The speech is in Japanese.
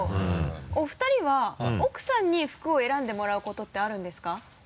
お二人は奥さんに服を選んでもらうことってあるんですか？